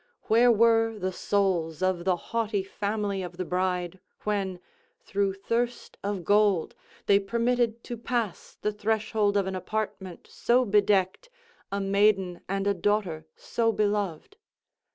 Where were the souls of the haughty family of the bride, when, through thirst of gold, they permitted to pass the threshold of an apartment so bedecked, a maiden and a daughter so beloved?